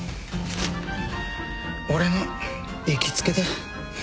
俺の行きつけだ。